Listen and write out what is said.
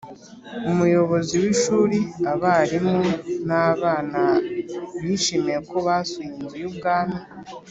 Umuyobozi w ishuri abarimu n abana bishimiye ko basuye Inzu y Ubwami